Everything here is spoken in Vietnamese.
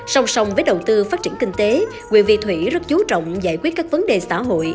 song song với đầu tư phát triển kinh tế quyền vị thủy rất chú trọng giải quyết các vấn đề xã hội